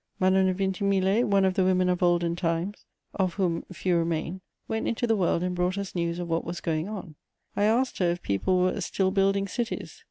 Madame de Vintimille, one of the women of olden time, of whom few remain, went into the world and brought us news of what was going on: I asked her if people were "still building cities."